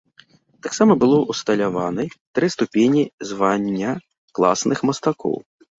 Таксама было ўсталяваны тры ступені звання класных мастакоў.